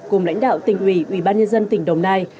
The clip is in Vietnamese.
cùng lãnh đạo tỉnh ủy ủy ban nhân dân tỉnh đồng nai